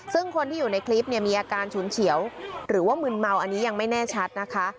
ซึ่งคนที่อยู่ในคลิปเนี่ยมีอาการฉุนเฉียวหรือว่ามึนเมาอันนี้ยังไม่แน่ชัดนะคะ